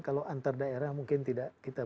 kalau antar daerah mungkin tidak kita